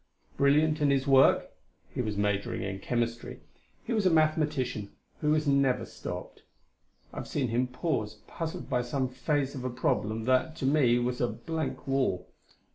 Brilliant in his work he was majoring in chemistry he was a mathematician who was never stopped. I've seen him pause, puzzled by some phase of a problem that, to me, was a blank wall.